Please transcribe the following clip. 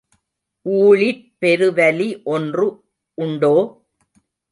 ஊழிற் பெருவலி ஒன்று உண்டோ?